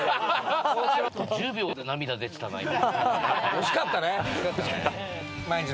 惜しかったね。